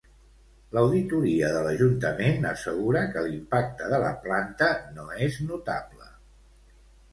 L´auditoria de l´Ajuntament assegura que l´impacte de la planta no és notable.